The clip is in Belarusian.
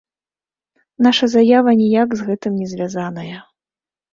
Наша заява ніяк з гэтым не звязаная.